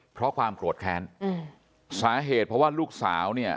เพราะความโกรธแค้นอืมสาเหตุเพราะว่าลูกสาวเนี่ย